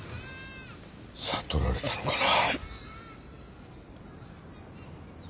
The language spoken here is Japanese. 悟られたのかな。